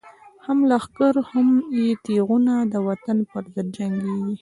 هم لښکر هم یی تیغونه، دوطن پر ضد جنګیږی